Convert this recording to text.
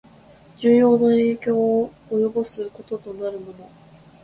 重要な影響を及ぼすこととなるもの